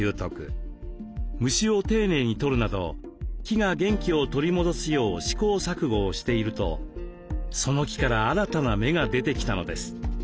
虫を丁寧に取るなど木が元気を取り戻すよう試行錯誤をしているとその木から新たな芽が出てきたのです。